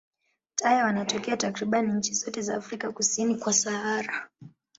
Taya wanatokea takriban nchi zote za Afrika kusini kwa Sahara.